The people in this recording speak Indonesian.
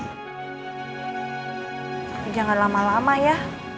ini jangan lama lama ya